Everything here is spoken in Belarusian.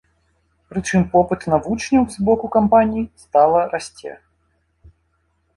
Прычым попыт на вучняў з боку кампаній стала расце.